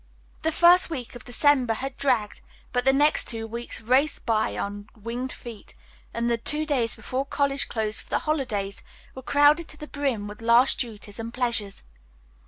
The first week of December had dragged, but the next two weeks raced by on winged feet, and the two days before college closed for the holidays were crowded to the brim with last duties and pleasures.